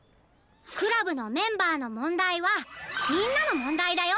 クラブのメンバーのもんだいはみんなのもんだいだよ！